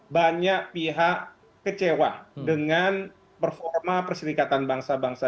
banyak pihak kecewa dengan performa perserikatan bangsa bangsa